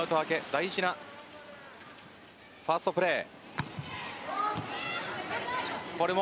大事なファーストプレー。